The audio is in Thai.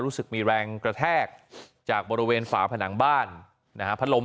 รู้สึกมีแรงกระแทกจากบริเวณฝาผนังบ้านนะฮะพัดลม